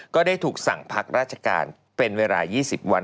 ก็ได้ถูกสั่งพักราชการเป็นเวลา๒๐วัน